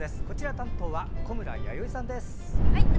担当は小村さんです。